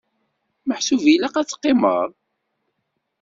Meḥsub ilaq ad teqqimeḍ?